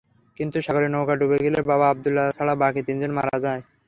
কিন্তু সাগরে নৌকা ডুবে গেলে বাবা আবদুল্লাহ ছাড়া বাকি তিনজন মারা যায়।